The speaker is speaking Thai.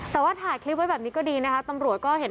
แต่ว่าถ่ายคลิปไว้แบบนี้ก็ดีนะคะตำรวจก็เห็น